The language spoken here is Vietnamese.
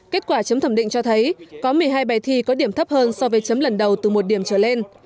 kết quả chấm thẩm định cho thấy có một mươi hai bài thi có điểm thấp hơn so với chấm lần đầu từ một điểm trở lên